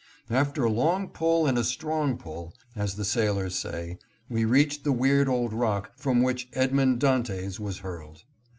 After a long pull and a strong pull, as the sailors say, we reached the weird old rock from which Edmond Dantes was hurled.